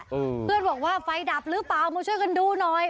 เพื่อนบอกว่าไฟดับหรือเปล่ามาช่วยกันดูหน่อย